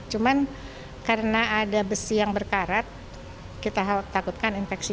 cuman karena ada besi yang berkarat kita takutkan infeksi